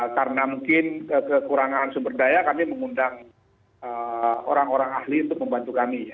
karena mungkin kekurangan sumber daya kami mengundang orang orang ahli untuk membantu kami